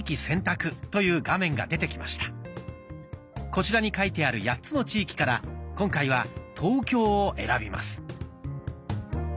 こちらに書いてある８つの地域から今回は「東京」を選びます。